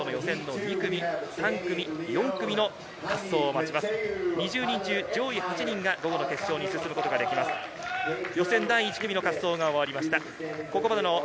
２０人中、上位８人が決勝に進むことができます。